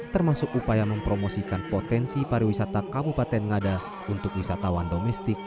termasuk upaya mempromosikan potensi pariwisata kabupaten ngada untuk wisatawan domestik